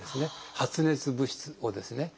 発熱物質をですね。